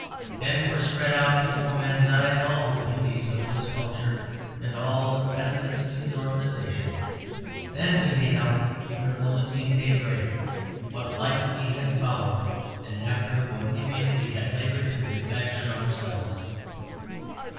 Then were spread out before men's eyes all the beauties of his culture and all the benefits of his organization; then we beheld under a lifting daybreak what light we had followed and after what image we had laboured to refashion ourselves.